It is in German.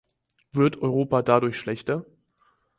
Wird Europa dadurch schlechter?